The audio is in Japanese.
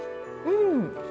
うん！